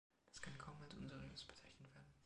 Das kann kaum als unseriös bezeichnet werden.